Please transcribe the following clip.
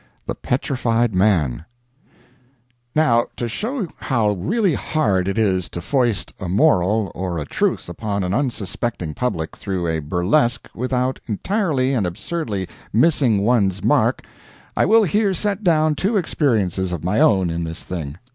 THE PETRIFIED MAN Now, to show how really hard it is to foist a moral or a truth upon an unsuspecting public through a burlesque without entirely and absurdly missing one's mark, I will here set down two experiences of my own in this thing.